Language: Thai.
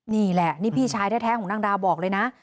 นี่แหละนี่พี่ชายแท้ของนางดาวบอกเลยนะ